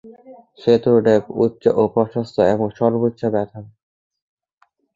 সেতুর ডেক উচ্চ ও প্রস্থ এবং সর্বোচ্চ বেধ হবে।